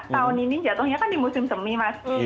tahun ini jatuhnya kan di musim semi mas